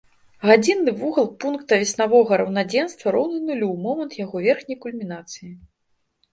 Гадзінны вугал пункта веснавога раўнадзенства роўны нулю ў момант яго верхняй кульмінацыі.